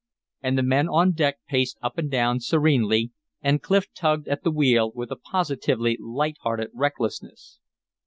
And the men on deck paced up and down serenely, and Clif tugged at the wheel with a positively light hearted recklessness.